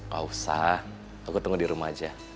gak usah aku tunggu dirumah aja